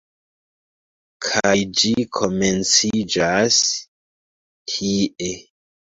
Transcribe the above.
Kaj ĝi komenciĝas tie.